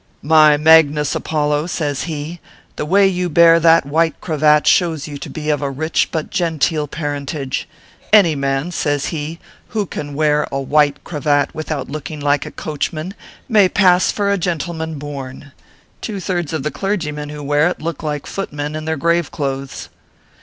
" My Magnus Apollo/ says he, " the way you hear that white cravat shows you to be of rich but genteel parentage. Any man/ says he, "who can wear a white cravat without looking like a coachman, may pass for a gentleman born. Two thirds of the clergy men who wear it look like footmen in their grave clothes."